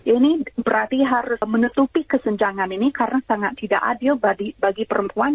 ini berarti harus menutupi kesenjangan ini karena sangat tidak adil bagi perempuan